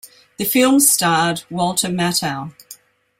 The film starred Walter Matthau.